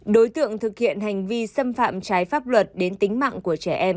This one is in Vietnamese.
đối tượng thực hiện hành vi xâm phạm trái pháp luật đến tính mạng của trẻ em